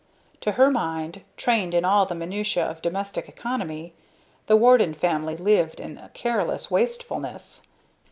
To her mind, trained in all the minutiae of domestic economy, the Warden family lived in careless wastefulness.